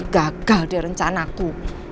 gagal dia rencana aku